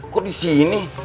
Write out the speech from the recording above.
kok di sini